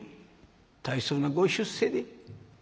大層なご出世で」。